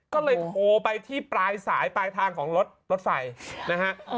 ก็เลยโทรไปที่ปลายสายปลายทางของรถรถไฟนะฮะ